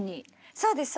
そうです。